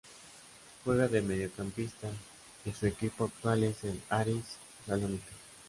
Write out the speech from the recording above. Juega de mediocampista y su equipo actual es el Aris Salónica.